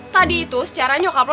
tadi itu secara nyokap lo